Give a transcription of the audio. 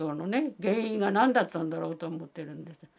原因はなんだったろうと思ってるんです。